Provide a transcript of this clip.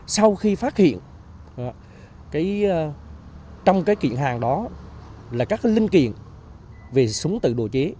sau khi phát hiện trong cái kiện hàng đó là các linh kiện về súng tự đồ chế